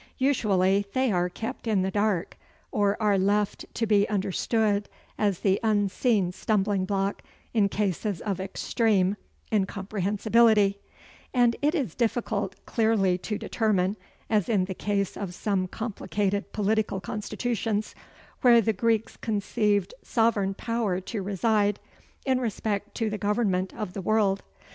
Usually they are kept in the dark, or are left to be understood as the unseen stumbling block in cases of extreme incomprehensibility; and it is difficult clearly to determine (as in the case of some complicated political constitutions) where the Greeks conceived sovereign power to reside, in respect to the government of the world.